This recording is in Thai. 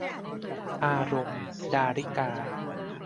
อารมณ์ - ดาริกา